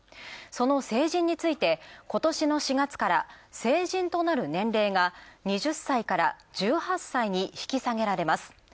その成人について、今年の４月から成人となる年齢が２０歳から１８歳に引き下げれます。